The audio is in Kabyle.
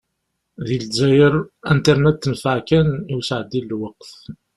Di lezzayer, Internet tenfeε kan i usεeddi n lweqt.